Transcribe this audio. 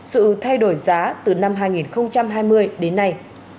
sự thay đổi giá từ năm hai nghìn hai mươi đến nay